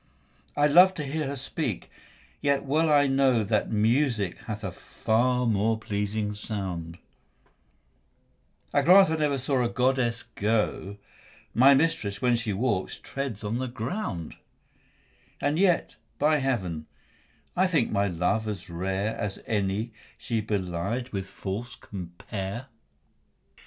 I love to hear her speak, yet well I know That music hath a far more pleasing sound: I grant I never saw a goddess go; My mistress, when she walks, treads on the ground: And yet by heaven, I think my love as rare, As any she belied with false compare.